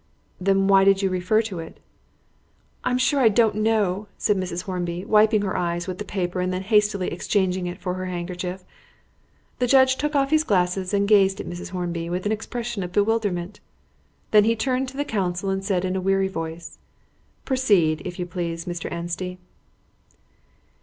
"Then why did you refer to it?" "I am sure I don't know," said Mrs. Hornby, wiping her eyes with the paper and then hastily exchanging it for her handkerchief. The judge took off his glasses and gazed at Mrs. Hornby with an expression of bewilderment. Then he turned to the counsel and said in a weary voice "Proceed, if you please, Mr. Anstey."